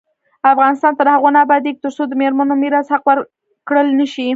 افغانستان تر هغو نه ابادیږي، ترڅو د میرمنو میراث حق ورکړل نشي.